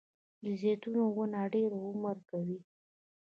د زیتون ونه ډیر عمر کوي